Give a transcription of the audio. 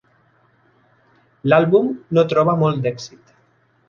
L'àlbum no troba molt d'èxit.